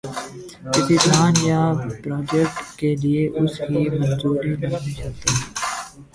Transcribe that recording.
کسی پلان یا پراجیکٹ کے لئے اس کی منظوری لازمی شرط ہے۔